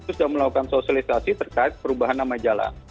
sudah melakukan sosialisasi terkait perubahan nama jalan